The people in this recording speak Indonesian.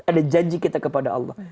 ada janji kita kepada allah